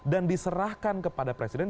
dan diserahkan kepada presiden